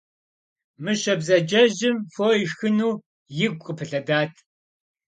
Мыщэ бзаджэжьым фо ишхыну игу къыпылъэдат.